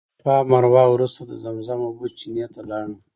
تر صفا او مروه وروسته د زمزم اوبو چینې ته لاړم.